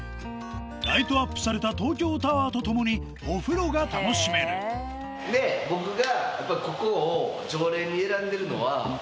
ライトアップされた東京タワーと共にお風呂が楽しめるで僕が。